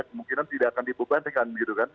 kemungkinan tidak akan dibebankan gitu kan